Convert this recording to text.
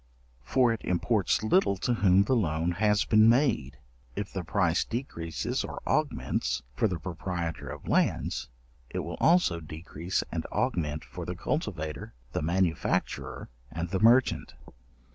For it imports little to whom the loan has been made: if the price decreases or augments for the proprietor of lands, it will also decrease and augment for the cultivator, the manufacturer, and the merchant.